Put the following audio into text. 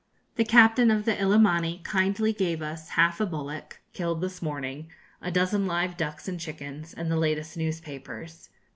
The captain of the 'Illimani' kindly gave us half a bullock, killed this morning, a dozen live ducks and chickens, and the latest newspapers.